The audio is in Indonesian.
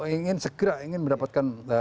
ingin segera ingin mendapatkan